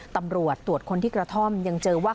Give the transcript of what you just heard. ตำรวจตรวจคนที่กระท่อมยังเจอว่า